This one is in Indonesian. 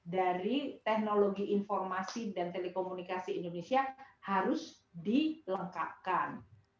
dari teknologi informasi dan telekomunikasi indonesia harus dilengkapkan